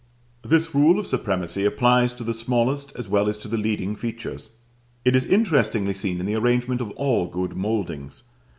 This rule of supremacy applies to the smallest as well as to the leading features: it is interestingly seen in the arrangement of all good mouldings.